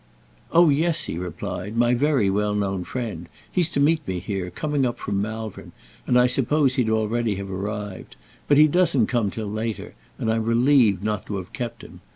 "Oh yes," he replied, "my very well known friend. He's to meet me here, coming up from Malvern, and I supposed he'd already have arrived. But he doesn't come till later, and I'm relieved not to have kept him.